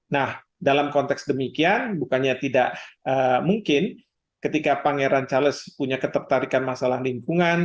nah dalam konteks demikian bukannya tidak mungkin ketika pangeran charles punya ketertarikan masalah lingkungan